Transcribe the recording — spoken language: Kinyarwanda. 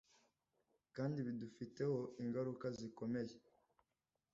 kandi bidufiteho ingaruka zikomeye.